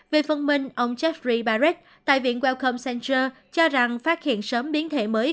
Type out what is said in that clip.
về phân minh ông jeffrey barrett tại viện welcome center cho rằng phát hiện sớm biến thể mới